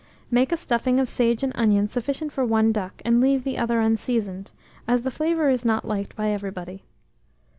Make a stuffing of sage and onion sufficient for one duck, and leave the other unseasoned, as the flavour is not liked by everybody.